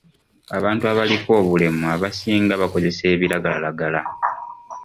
Abantu abaliko obulemu abasinga bakozesa ebiragalalagala.